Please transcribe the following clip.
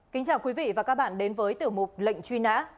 kính chào quý vị và các bạn đến với tiểu mục lệnh truy nã